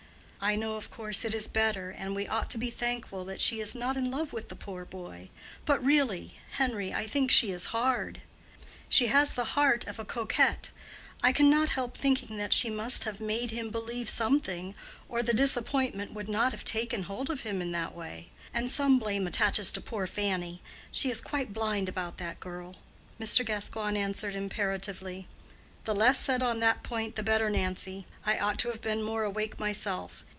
"I know of course it is better, and we ought to be thankful that she is not in love with the poor boy; but really. Henry, I think she is hard; she has the heart of a coquette. I can not help thinking that she must have made him believe something, or the disappointment would not have taken hold of him in that way. And some blame attaches to poor Fanny; she is quite blind about that girl." Mr. Gascoigne answered imperatively: "The less said on that point the better, Nancy. I ought to have been more awake myself.